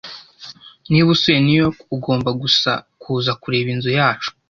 Niba usuye New York, ugomba gusa kuza kureba inzu yacu.